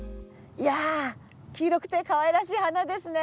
いやあ黄色くてかわいらしい花ですね。